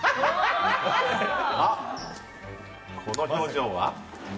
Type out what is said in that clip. あ、この表情は。